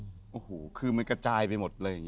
โอ้โหคือมันกระจายไปหมดเลย